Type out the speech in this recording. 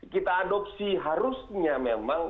kita adopsi harusnya memang